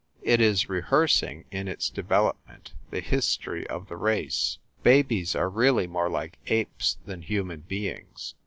It is rehearsing, in its development, the history of the race. Babies are really more like apes than human beings.